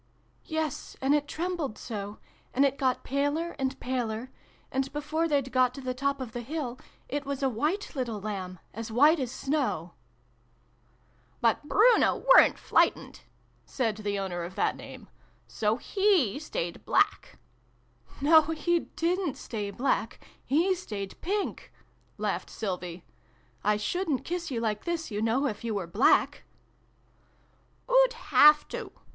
" Yes, and it trembled so ; and it got paler and paler ; and, before they'd got to the top of the hill, it was a 'white little JLamb as white as snow !" Xiv] BRUNO'S PICNIC. 231 " But Bruno weren't flightened !" said the owner of that name. ''So he staid black !"" No, he didn't stay black ! He staid pink !" laughed Sylvie. " I shouldn't kiss you like this, you know, if you were black !"" Oo'd have to